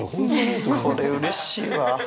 これうれしいわ。